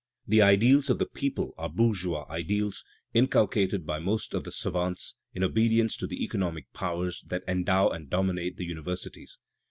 The ideals of the people are bourgeois ideals \ inculcated by most of the "savants" in obedience to the eco pomic powers that endow and dominate the xmiversities.